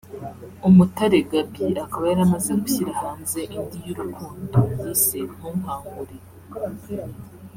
Umutare Gaby akaba yaramaze gushyira hanze indi y’urukundo yise’ Ntunkangure’